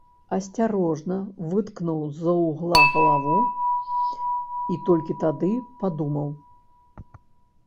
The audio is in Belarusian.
Асцярожна выткнуў з-за вугла галаву і толькі тады падумаў.